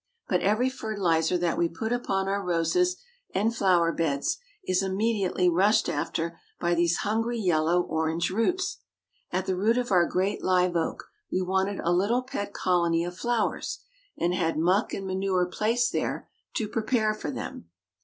But every fertilizer that we put upon our roses and flower beds is immediately rushed after by these hungry yellow orange roots. At the root of our great live oak we wanted a little pet colony of flowers, and had muck and manure placed there to prepare for them.